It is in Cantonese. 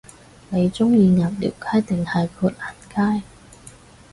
你鍾意鴨寮街定係砵蘭街？